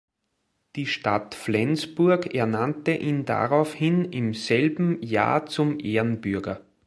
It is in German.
Die Stadt Flensburg ernannte ihn daraufhin im selben Jahr zum Ehrenbürger.